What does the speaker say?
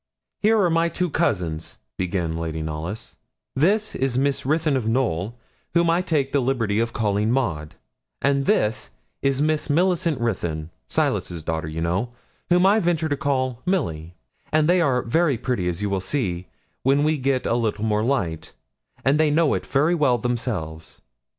'Here are my two cousins,' began Lady Knollys: 'this is Miss Ruthyn, of Knowl, whom I take the liberty of calling Maud; and this is Miss Millicent Ruthyn, Silas's daughter, you know, whom I venture to call Milly; and they are very pretty, as you will see, when we get a little more light, and they know it very well themselves.'